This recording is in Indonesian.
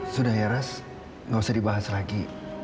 sudah ya raz gak usah dibahas lagi